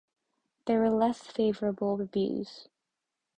There were less favourable reviews.